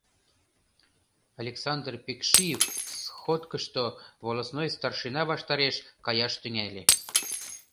Александр Пекшиев сходкышто волостной старшина ваштареш каяш тӱҥале.